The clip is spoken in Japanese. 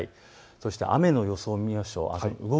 そして雨の動きを見ましょう。